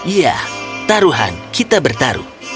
ya taruhan kita bertaruh